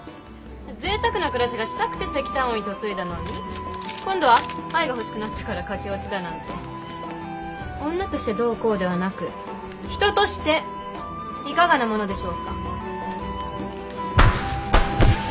ぜいたくな暮らしがしたくて石炭王に嫁いだのに今度は愛が欲しくなったから駆け落ちだなんて女としてどうこうではなく人としていかがなものでしょうか。